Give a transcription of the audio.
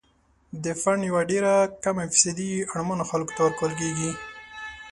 د فنډ یوه ډیره کمه فیصدي اړمنو خلکو ته ورکول کیږي.